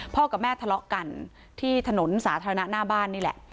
กับแม่ทะเลาะกันที่ถนนสาธารณะหน้าบ้านนี่แหละ